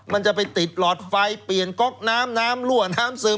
มันจะไปติดหลอดไฟเปลี่ยนก๊อกน้ำน้ำรั่วน้ำซึม